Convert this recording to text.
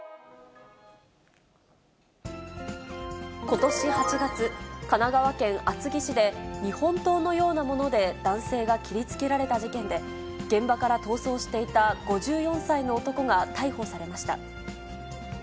ことし８月、神奈川県厚木市で、日本刀のようなもので男性が切りつけられた事件で、現場から逃走していた５４歳の男が逮捕されました。